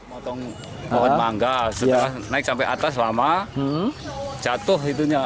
potong pohon mangga setelah naik sampai atas lama jatuh hidunya